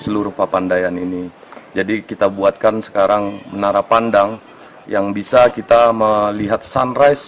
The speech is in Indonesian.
seluruh papandayan ini jadi kita buatkan sekarang menara pandang yang bisa kita melihat sunrise